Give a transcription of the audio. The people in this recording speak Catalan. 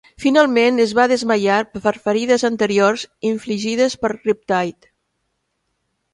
Finalment es va desmaiar per ferides anteriors infligides per Riptide.